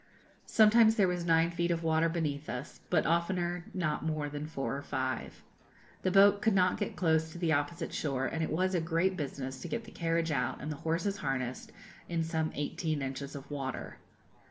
Sometimes there was nine feet of water beneath us, but oftener not more than four or five. The boat could not get close to the opposite shore, and it was a great business to get the carriage out and the horses harnessed, in some eighteen inches of water.